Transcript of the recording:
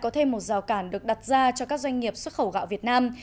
có thêm một rào cản được đặt ra cho các doanh nghiệp xuất khẩu gạo việt nam